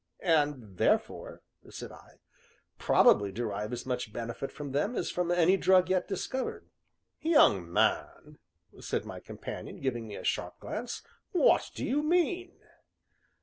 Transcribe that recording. "And therefore," said I, "probably derive as much benefit from them as from any drug yet discovered." "Young man," said my companion, giving me a sharp glance, "what do you mean?"